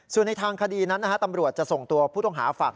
ส่วนในทางคดีนั้นตำรวจจะส่งตัวผู้ต้องหาฝาก